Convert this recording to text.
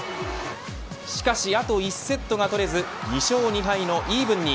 しかしあと１セットが取れず２勝２敗のイーブンに。